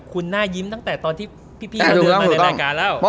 คุณน่ายิ้มตั้งแต่ตอนที่พี่เขาเดินมาในรายการแล้ว